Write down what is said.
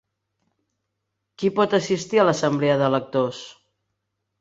Qui pot assistir a l'Assemblea de Lectors?